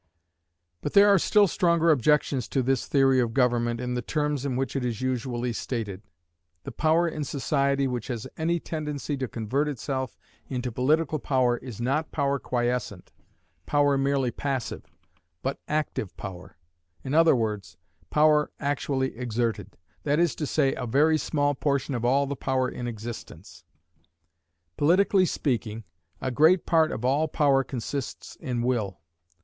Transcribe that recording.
But there are still stronger objections to this theory of government in the terms in which it is usually stated. The power in society which has any tendency to convert itself into political power is not power quiescent, power merely passive, but active power; in other words, power actually exerted; that is to say, a very small portion of all the power in existence. Politically speaking, a great part of all power consists in will.